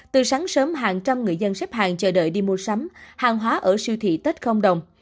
từ sáng sớm hàng trăm người dân xếp hàng chờ đợi đi mua sắm hàng hóa ở siêu thị tết không đồng